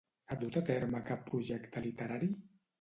Ha dut a terme cap projecte literari?